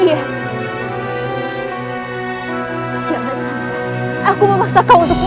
tidak sampai aku memaksa kau untuk biar